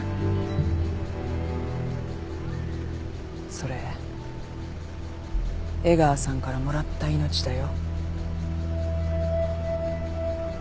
それ江川さんからもらった命だよ。